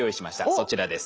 そちらです。